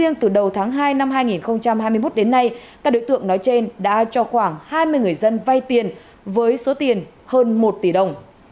năm hai nghìn hai mươi một đến nay các đối tượng nói trên đã cho khoảng hai mươi người dân vay tiền với số tiền hơn một tỷ đồng